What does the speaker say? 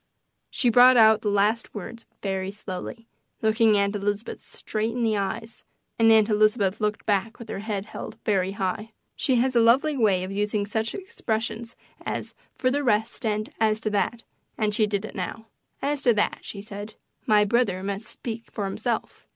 She brought out the last words very slowly, looking Aunt Elizabeth straight in the eyes, and Aunt Elizabeth looked back with her head very high. She has a lovely way of using such expressions as "For the rest" and "As to that," and she did it now. "As to that," she said, "my brother must speak for himself.